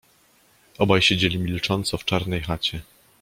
Obaj siedzieli milcząco w czarnej chacie.